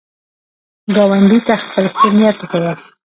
ګاونډي ته خپل ښه نیت وښیه